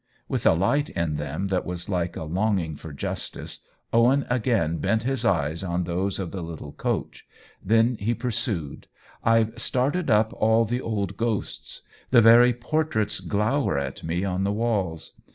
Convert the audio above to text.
With a light in them that was like a longing for justice, Owen again bent his eyes on those of the little coach ; then he pursued :" I've started up all the old ghosts. The very portraits glower at me on the walls.